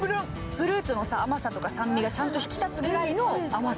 フルーツの甘さとか酸味がちゃんと引き立つぐらいの甘さ。